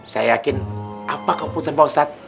saya yakin apa keputusan pak ustadz